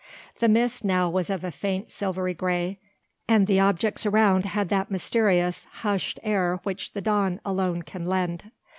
The mist now was of a faint silvery grey, and the objects around had that mysterious hushed air which the dawn alone can lend.